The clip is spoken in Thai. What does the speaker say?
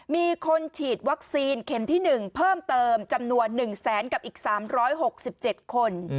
มีคนฉีดวัคซีนเข็มที่๑เพิ่มเติมจำนวน๑แสนกับอีก๓๖๗คน